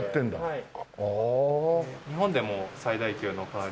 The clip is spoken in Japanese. はい。